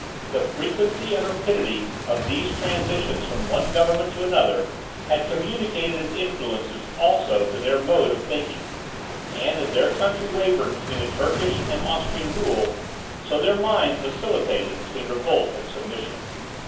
The frequency and rapidity of these transitions from one government to another, had communicated its influences also to their mode of thinking; and as their country wavered between the Turkish and Austrian rule, so their minds vacillated between revolt and submission.